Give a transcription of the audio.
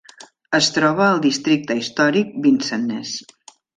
Es troba al districte històric Vincennes.